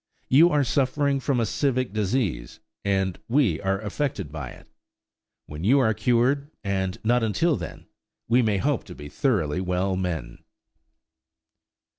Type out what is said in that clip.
You are suffering from a civic disease, and we are affected by it. When you are cured, and not until then, we may hope to be thoroughly well men.